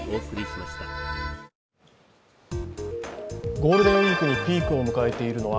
ゴールデンウイークにピークを迎えているのは